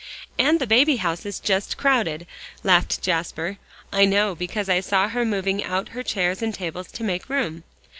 "And the baby house is just crowded," laughed Jasper. "I know, because I saw her moving out her chairs and tables to make room."